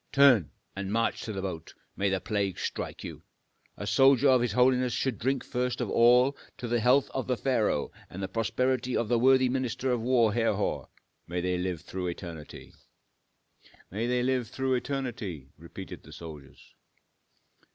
turn! and march to the boat, may the plague strike you! A soldier of his holiness should drink first of all to the health of the pharaoh and the prosperity of the worthy minister of war, Herhor, may they live through eternity!" "May they live through eternity!" repeated the soldiers.